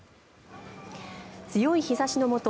強い日差しのもと